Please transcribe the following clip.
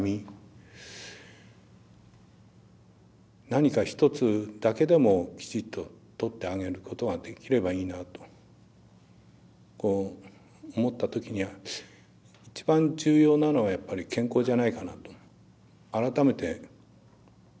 何か１つだけでもきちっと取ってあげることができればいいなと思った時には一番重要なのはやっぱり健康じゃないかなと改めて思って。